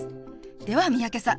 では三宅さん